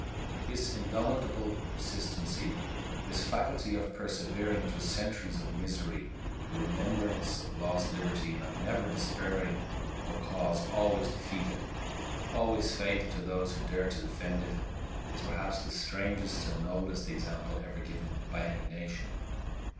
"This indomitable persistency, this faculty of preserving through centuries of misery the remembrance of lost liberty and of never despairing of a cause always defeated, always fatal to those who dared to defend it, is perhaps the strangest and noblest example ever given by any nation."